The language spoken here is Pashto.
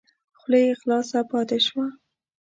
خوله یې خلاصه پاته شوه !